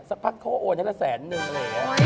สักพักเขาโอนกระแสนหนึ่ง